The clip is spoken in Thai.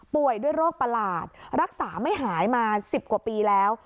ด้วยโรคประหลาดรักษาไม่หายมา๑๐กว่าปีแล้ว